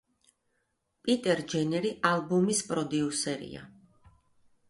პიტერ ჯენერი ალბომის პროდიუსერია.